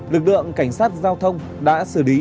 lực lượng cảnh sát giao thông đã xử lý